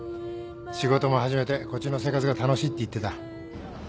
仕事も始めてこっちの生活が楽しいって言ってた